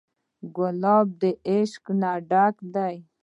ګلاب د عشق نه ډک دی.